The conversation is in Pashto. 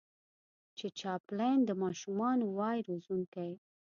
چې چاپلين د ماشومانو وای روزونکی